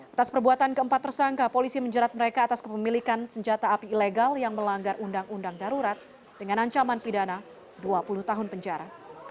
atas perbuatan keempat tersangka polisi menjerat mereka atas kepemilikan senjata api ilegal yang melanggar undang undang darurat dengan ancaman pidana dua puluh tahun penjara